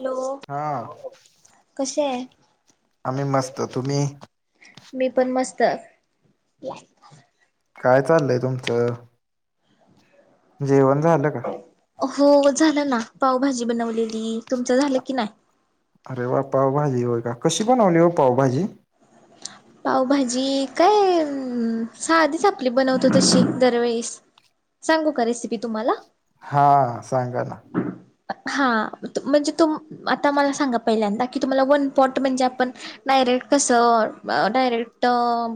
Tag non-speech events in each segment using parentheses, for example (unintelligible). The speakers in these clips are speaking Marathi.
हॅलो हा कशी आहे. आम्ही मस्त. तुम्ही मी पण मस्त. काय चाललय तुमचं. जेवण झालं का? हो झालं ना. पावभाजी बनवलेली. तुमचं झालं की नाही? अरे वा पावभाजी. होय का. कशी बनवली हो पावभाजी? पावभाजी काय अ साधीच आपली बनवतो तशी दरवेळीस. सांगू का रेसिपी तुम्हाला? हा सांगा ना. (inaudible) हा म्हणजे तु आता मला सांगा पहिल्यांदा, की तुम्हाला वन पॉट म्हणजे आपण (unintelligible) डायरेक्ट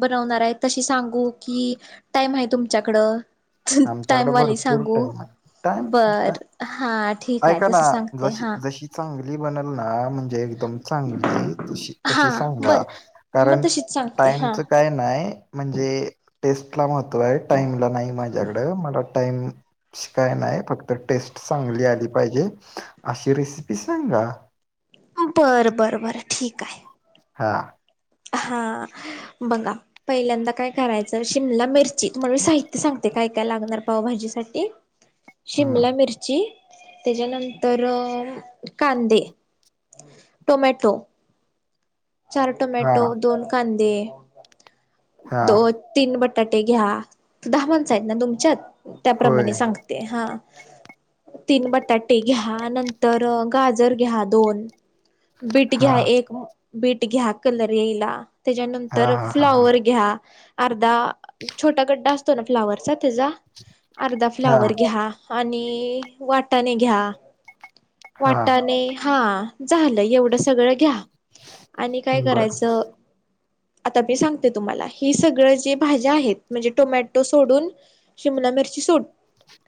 बनवणार आहे तशी सांगु की टाइम आहे तुमच्याकड. आमच्याकडे टाइमवाली भरपूर सांगू. टाइम आहे टाइम बर हा ठीक आहे. ऐका ना तस सांगते जशी हा जशी चांगली बनल ना, म्हणजे एकदम चांगली. तशी तशी हा बर सांगा. मग कारण तशीच सांगते हा. टाईमच काय नाही म्हणजे टेस्ट ला महत्व आहे‌. टाइम ला नाही माझ्याकड. मला टाइम तशी काय नाय. फक्त टेस्ट चांगली आली पाहिजे. अशी रेसिपी सांगा. बर बर बर ठीक आहे. हा हा बघा पहिल्यांदा काय करायचं शिमला मिरची, तुम्हाला मी साहित्य सांगते काय काय लागणार पावभाजी साठी. शिमला हं, मिर ची त्याच्यानंतर अ कांदे, टोमॅटो चार टोमॅटो. हां, दोन कांदे. हां. दोन तीन बटाटे घ्या. दहा माणस आहेत ना तुमच्यात. होय. त्याप्रमाणे सांग ते हा तीन बटाटे घ्या. नंतर गाजर घ्या दोन. बीट हां, घ्या एक बीट घ्या कलर यायला. हां, त्याच्यानंतर हां, हां, हां. फ्लोवर घ्या अर्धा छोटा गड्डा असतो ना फ्लावरचा त्याचा अर्धा हां, फ्लावर घ्या आणि वाटाने घ्या, हां. वाटाणे हा झालं एवढं सगळं घ्या आणि काय बरं. करायचं? आता मी सांगते तुम्हाला हे सगळ जे भाज्या आहेत, म्हणजे टोमॅटो सोडून शिमला मिरची सोड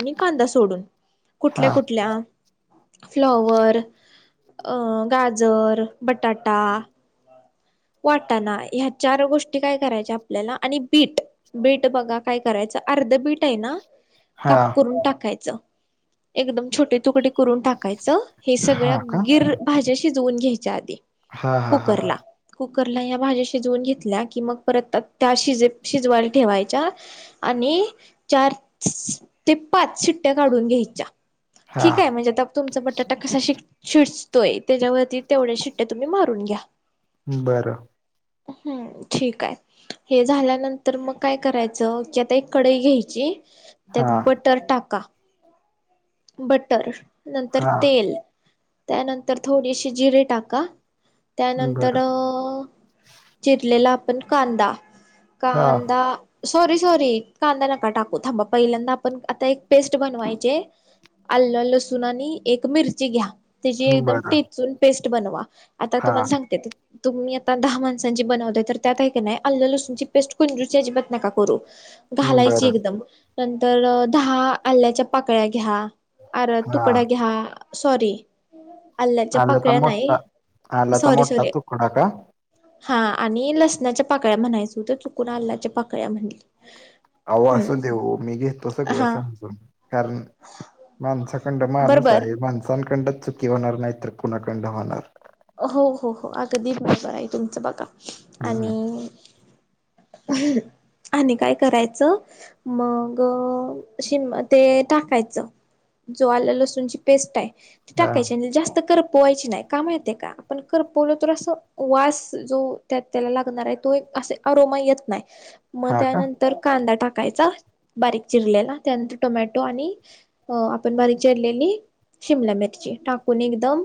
आणि कांदा सोडून, कुठल्या हां, कुठल्या फ्लॉवर अ, गाजर, बटाटा वाटाना, ह्या चार गोष्टी काय करायच्या आपल्याला, आणि बीट बीट बघा काय करायचं, अर्ध बीट आहे ना काप हां. करून टाकायचं, एकदम छोटे तुकडे करून टाकायचं. हे सगळ्या हां का? गिर भाज्या शिजवुन घ्यायच्या आधी हां, हां, हां, हां. कुकरला कुकरला या भाज्या शिजवून घेतल्या, कि मग परत त्या शिजे शिजवायला ठेवायच्या. आणि चार ते पाच शीट्ट्या काढून घ्यायच्या. ठीक आहे हां. म्हणजे आता तुमचा बटाटा कसा शिजतोय, त्याच्यावरती तेवढ्या शिट्ट्या तुम्ही मारून घ्या बरं. हम्म, ठीक आहे. हे झाल्यानंतर मग काय करायचं, की आता एक कडई घ्यायची त्यात हां, बटर टाका, बटर नंतर हां. तेल, त्यानंतर थोडीशी जिरे टाका, त्यानंतर बरं. अ चिरलेला आपण कांदा, हां, कांदा सॉरी सॉरी कांदा नका टाकू थांबा पहिल्यांदा, आपण आता एक पेस्ट बनवायचे आलं लसूण आणि एक मिरची घ्या त्याची एकदम बरं. टेचून पेस्ट बनवा, आता हां, तुम्हाला सांगते तुम्ही आता दहा माणसांची बनवताय तर त्यात आहे का नाही आल्ल लसूनचपेस्टची कुंजूशी अजिबात नका करू. घालायची बरं. एकदम, नंतर दहा आल्याच्या पाकळ्या घ्या. अर हां. तुकडा घ्या, सॉरी आल्याच्या आल्ल का पाकळ्या नाही मोठा, आल्याचा सॉरी मोठा सॉरी तुकडा का? हा आणि लसणाच्या पाकळ्या म्हणायच होत चुकून आलाच्या पाकळ्या म्हणली. अवो असूदे हम्म ओ, मी घेतो सगळं हा समजून, कारण माणसाखंड माणूस बरोबर आहे, माणसांकंडन चुकी होणार नाही तर कुणाकंडन होणार? हो हो हो अगदी बरोबर आहे, तुमचं बघा हं, आणि हम्. आणि काय करायचं मग शिमला ते टाकायचं. जो आल्ल लसूणची पेस्ट आहे, ती हां. टाकायची, आणि जास्त करपवायची नाही, का माहित का? पण करपवलो तर अस वास, जो त्याला लागणार आहे तो असे अरोमा येत नाही मग हां का? त्यान तर कांदा टाकायचा, बारीक चिरलेला, त्यानंतर टोमॅटो, आणि हो, आपण बारीक चिरलेली शिमला मिरची टाकून एकदम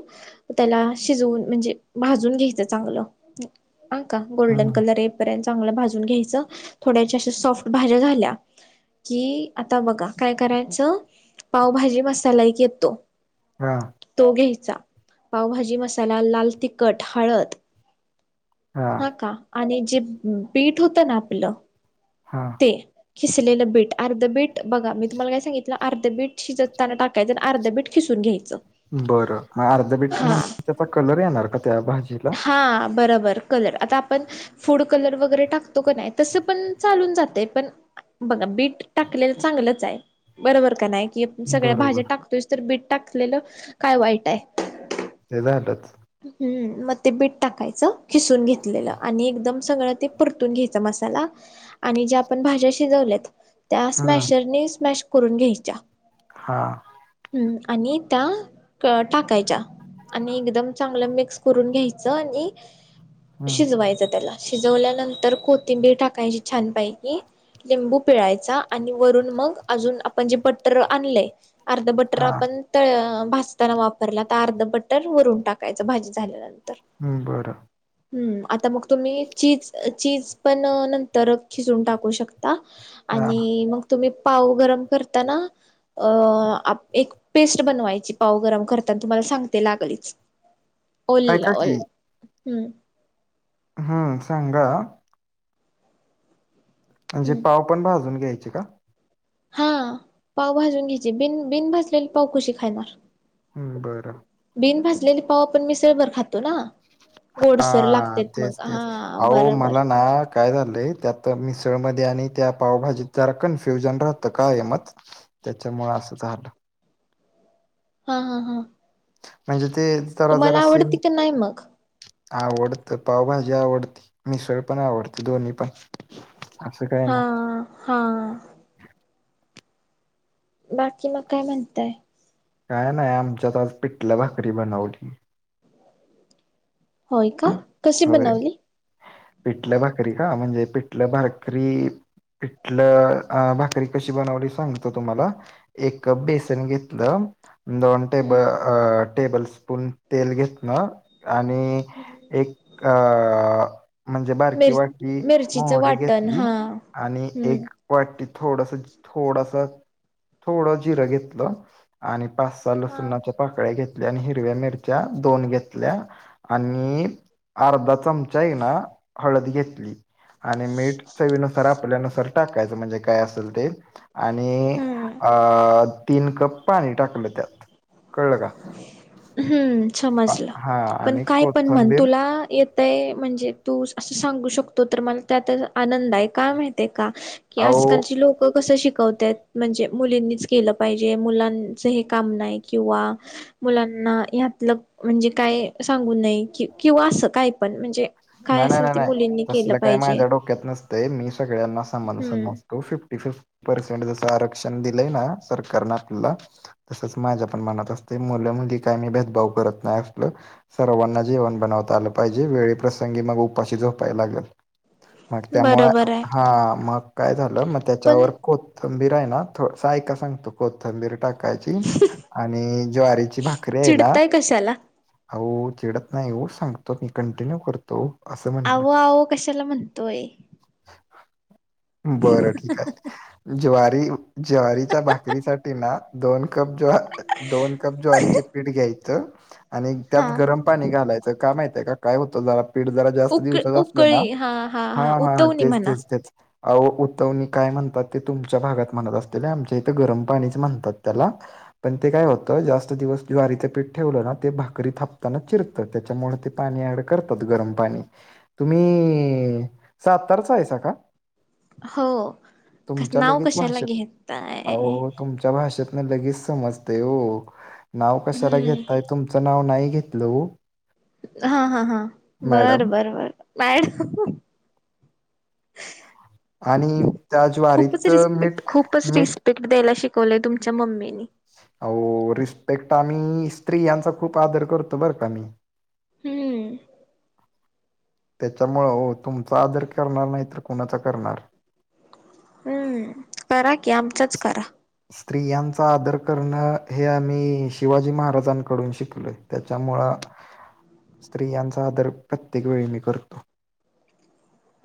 त्याला शिजवून म्हणजे भाजून घ्यायचं चांगलं, हं का हं. गोल्डन कलर चांगल भाजून घ्यायच, थोड्याशा अशा सॉफ्ट भाज्या झाल्या कि, आता बघा काय करायचं, पावभाजी मसाला एक येतो हा. तो घ्यायचा, पावभाजी मसाला, लाल तिखट, हळद हां, हा का, आणि जे पीठ होत ना आपलं हां. के शिजलेलं बीट, अर्ध बीट बघा मी तुम्हाला काय सांगितलं अर्ध बीट शिजताना टाकायचं आणि अर्धं बीट किसून घ्यायचं‌. बरं मग अर्ध बीट म्हणजे त्याचा कलर येणार का त्या भाजीला? हा बरोबर कलर आता आपण फुड कलर वगैरे टाकतो का नाही तसं पण चालून जातय पण बघा बीट टाकलेलं चांगलंच आहे बरोबर का नाही कि सगळ्या भाज्या बरोबर टाकतोच तर बीट टाकलेलं काय वाईट आहे. ते झातात. हम्म, मग ते बीट टाकायचं, खिसून घेतलेलं, आणि एकदम सगळं ते परतून घ्यायचं मसाला. आणि ज्या आपण भाज्या शिजवल्यात त्या हम्म स्मॅशरने स्मॅश करून घ्यायच्या हां, हमम, आणि त्या टाकायच्या, आणि एकदमऽ. चांगलं मिक्स करून घ्यायचं, आणि हम्म शिजवायचं त्याला. शिजवल्यानंतर कोथिंबीर टाकायची छानपैकी. लिंबू पिळायचा आणि वरून मग, अजून आपण जे बट्टर आणलंय. अर्ध बटर हा आपण त भासताना वापरला तर, अर्ध बटर वरून टाकत. कायच भाजी झाल्यानंतर. हम बरं. हम्म आता मग तुम्ही चीज चीज पण, नंतर खिचून टाकू शकता. आता हा आणि मग तुम्ही पाव गरम करता ना. अ एक पेस्ट बनवायची पाव गरम करताना तुम्हाला सांगते लागलीच. उल ऐका उ हम् (unintelligible) (inaudible) हा सांगा. म्हणजे हम्म पाव पण भाजून घ्यायचे का? हा पाव भाजून घ्यायची बिन बिन भजलेली पाव कशे खाणार. हम्म बरं बिन भाजलेली पाव आपण मिसळबर खातो ना. हा गोडसर लागते तेच मग तेच हा अहो बरोबर मला ना काय झालंय त्यात मिसळमध्ये आणि त्या पावभाजीत जरा कन्फ्युजन राहत काय म त्याच्यामुळे असं झालं. हा हा हा. म्हणजे ते जरा तुम्हाला जरा से असेल. आवडते का नाही मग आवडतं पावभाजी आवडती, मिसळ पण आवडते. दोन्ही पण, असं काही हा नाही. हा बाकी मग काय म्हणताय? काय नाही आमच्यात आज पिठलं भाकरी बनवली. होय का? कशी होय बनवली पिठलं भाकरी का, म्हणजे पिठलं भाकरी. पिठलं भाकरी कशी बनवली, सांगतो तुम्हाला. एक कप बेसन घेतलं. दोन टेब टेबल स्पून तेल घेत ना आणि एक अ म्हणजे बारकी मिर वाटी मिरचीचं मोहरी वाटण घेतली हा आणि हम्म एक. वाटी थोडस थोडस थोडं जिरं घेतलं. आणि पाच सहा हा लसुणाच्या पाकळ्या घेतल्या आणि हिरव्या मिरच्या दोन घेतल्या. आणि अर्धा चमचा ना, हळद घेतली. आणि मीठ चवीनुसार आपल्यानुसार टाकायचं, म्हणजे काय असेल ते. आणि हम्म अ तीन कप पाणी टाकलं, त्यात कळलं का. हम्म समजलं हा पण आणि काय पण म्हण कोथंबीर तुला येत. ते म्हणजे तू असं सांगू शकतो तर, मला त्यात आनंद आहे काय माहित का? ही अहो आजकालची लोकं कसं शिकवतायत. म्हणजे मुलींनीच केलं पाहिजे मुलांच हे काम नाही किंवा. मुलांना यातलं म्हणजे काय सांगून नाय कि किंवा असं काय पण म्हणजे काय नाही नाही असेल नाही ते नाही मुलींनी केलं तसलं काही, पाहिजे माझ्या डोक्यात नसतंय मी, सगळ्यांना समान समज हम्म फिफ्टी फिफ्टी पर्सेंट जसं आरक्षण दिलंय ना सरकारने आपल्याला तसच माझ्या पण मनात असते, मुलं मुली काही मी, भेदभाव करत नाही असल. सर्वांना जेवण बनवता आलं पाहिजे वेले प्रसंगी मग उपाशी झोपाय लागेल. मग त्यामुळे बरोबर आहे हा, मग काय झालं मग, पण त्याच्यावर को कॊथंबीर आहे ना, थोडसय आयका सांगतो कोथिंबीर टाक काची आणि ज्वारीची भाकरी आहे ना, चिडताय कशाला हो चिडत नाही ओ सांगतो मी, कंटिन्यू करतो. असं म्हटलं. आवो आवो कशाला म्हणतोय बरं ठीक आहे, ज्वारी ज्वारीच्या भाकरी साठी ना दोन कप ज्वा दोन कप ज्वारीचे पीठ घ्यायचे हा त्यात गरम पाणी घालायच काय माहितय, काय होत जरा पिट जरा जास्त उक दिवसात असल ना उकळी हा हा हा उतवणी तेच म्हणा तेच तेच. अहो उतवणी काय म्हणतात ते तुमच्या भागात म्हणत असतेली, आमच्या इथे गरम पाणीच म्हणतात त्याला. पण ते काय होतं जास्त दिवस ज्वारीचं पीठ ठेवलं ना ते भाकरी थापताना चिरत तर त्याच्यामुळे ते, पाणी ऍड करत फक्त्त गरम पाणी, तुम्ही सातारचा हायसा का? हो तुमच्या नाव लगेच कशाला भाषेत घेताय अहो तुम त्या भाषेतन लगेच समजते ओ नाव कशाला हम्म घेतय तुमच नाव नाही घेत हॅलो. हा हा हा बर मॅडम बर बर आणि त्या खूपच ज्वारीत मीठ रिस्पेक्ट, खूपच मीठ रिस्पेक्ट द्यायला शिकवलेय तुमच्या मम्मीने. आओ रिस्पेक्ट आम्ही स्त्रीयांचा खूप आदर करतो बरं का हम. त्याच्यामुळ हो, तुमचा आदर करणार नाही तर, म कुणाचा करणार? हम्म करा की आमच्याच करा. स्त्रियांचा आदर करणं हे आम्ही शिवाजी महाराजांकडून शिकलोय त्याच्यामुळं (unintelligible) (inaudible) स्त्रियांचा आदर प्रत्येक वेळी मी करतो.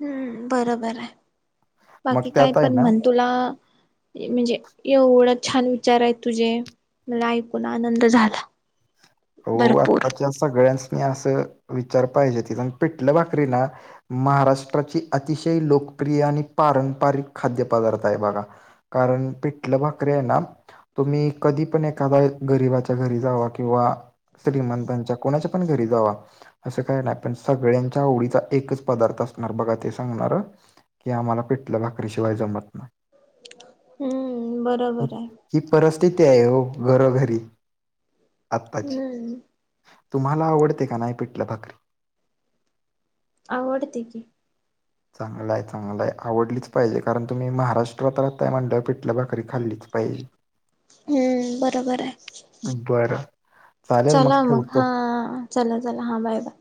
हम्म बरोबर आहे मग बाकी, काय त्यात आहे पण ना म्हण तुला म्हणजे एवढं छान विचार आहे तुझे मला ऐकून आनंद झाला. हो भरपूर आत्ताच्या सगळ्यांस नी असं विचार पाहिजे ती पिटलं भाकरी ना महाराष्ट्राची अतिशय लोकप्रिय आणि पारंपरिक खाद्यपदार्थ आहे बघा. कारण पिटलं भाकरीे आहे ना तुम्ही कधी पण एखादाया गरीबाच्या घरी जावा किंवा श्रीमंतांच्या कोणाच्या पण घरी जावा असं काय नाय पण सगळ्यांच्या आवडीचा एकच पदार्थ असणार बघा ते सांगणार कि आम्हाला पिटलं भाकरी शिवाय जमत नाही. हम्म बरोबर आहे. हि परिस्थिती आहे हो घरोघरी आत्ताची हम्म तुम्हाला आवडते का नाय पीठला भाकरी? आवडतं की चांगलाय चांगलाय आवडलीच पाहिजे कारण तुम्ही महाराष्ट्रात राहताय म्हणलं पीठला भाकरी खाल्लीच पाहिजे. हम्म बरोबर आहे. बरं चालेल चला मग ठेवतो. हा चला चला हा बाय बाय.